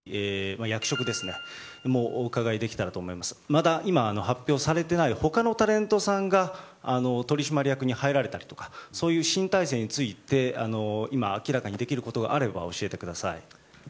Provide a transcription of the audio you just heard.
また、今発表されていない他のタレントさんが取締役に入られたりとかそういう新体制について今、明らかにできることがあれば教えてください。